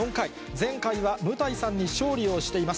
前回は務台さんに勝利をしています。